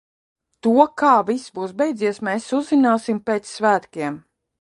To, kā viss būs beidzies, mēs uzzināsim pēc svētkiem.